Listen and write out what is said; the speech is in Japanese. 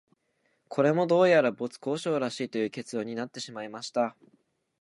これも、どうやら没交渉らしいという結論になってしまいました